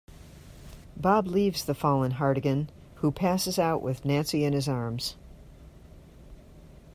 Bob leaves the fallen Hartigan, who passes out with Nancy in his arms.